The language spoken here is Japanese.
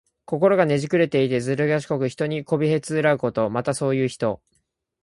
心がねじくれていて、ずるがしこく、人にこびへつらうこと。また、そういう人。